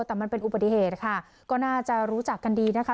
แต่มันเป็นอุบัติเหตุค่ะก็น่าจะรู้จักกันดีนะคะ